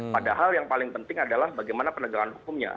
padahal yang paling penting adalah bagaimana penegakan hukumnya